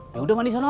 yaudah mandi sana